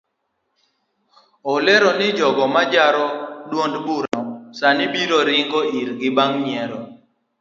Olero ni jogo majaro duond burano sani biro ringo irgi bang yiero.